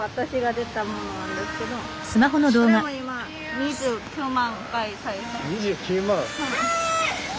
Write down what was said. ２９万？